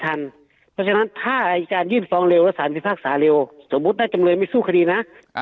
ถ้าจานยื่นฟ้องเร็วและสารมีภาคสารเร็วสมมุติได้จำนวยไม่สู้คดีนะ